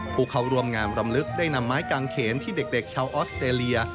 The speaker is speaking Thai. ผู้เข้าร่วมงานรำลึกได้นำไม้กางเขนที่เด็กชาวออสเตรเลีย